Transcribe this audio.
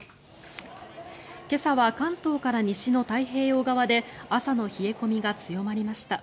今朝は関東から西の太平洋側で朝の冷え込みが強まりました。